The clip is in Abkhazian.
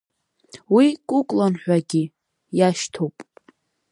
Уи Кукулкан ҳәагьы иашьҭоуп.